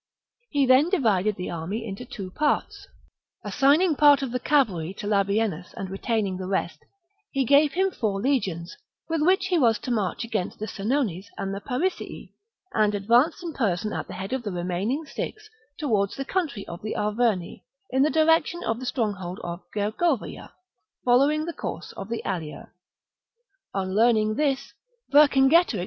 He then divided the army into two parts. Assigning part of the cavalry to Labienus and retaining the rest, he gave him four legions, with which he was to march against the Senones and the Parisii, and advanced in person at the head of the remaining six towards the country of the Arverni, in the direction of the [Plateau de Gergovie, stronghold of Gergovia, following the course of near the Allien On learning this, Vercingetorix broke Ferrand.